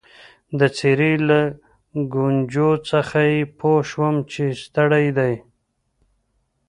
د څېرې له ګونجو څخه يې پوه شوم چي ستړی دی.